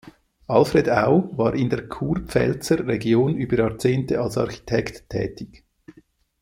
Alfred Au war in der Kurpfälzer Region über Jahrzehnte als Architekt tätig.